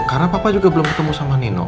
karena papa juga belum ketemu sama nino